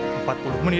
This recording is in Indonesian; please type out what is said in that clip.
dua paket ya